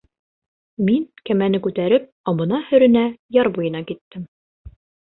Мин, кәмәне күтәреп, абына-һөрөнә яр буйына киттем.